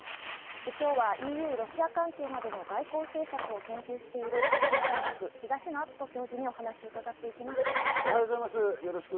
今日はＥＵ・ロシア関係などの外交政策を研究している筑波大学・東野篤子教授にお話を伺っていきます。